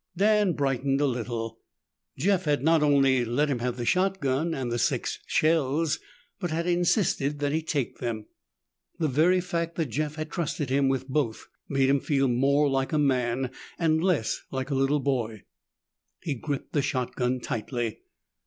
Dan brightened a little. Jeff had not only let him have the shotgun and the six shells but had insisted that he take them. The very fact that Jeff had trusted him with both made him feel more like a man and less like a little boy. He gripped the shotgun tightly.